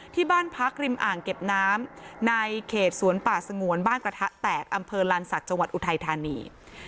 ที่บ้านพักริมอ่างเก็บน้ำในเขตสวนป่าสงวนบ้านกระทะแตกอำเภอลานศักดิ์จังหวัดอุทัยธานี